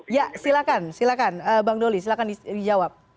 ya silakan silakan bang doli silakan dijawab